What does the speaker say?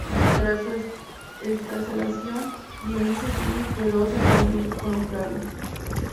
Tras su excarcelación, Dionisio tiene un feroz enfrentamiento con Octavio.